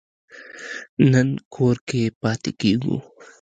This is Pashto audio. نن کور کې پاتې کیږو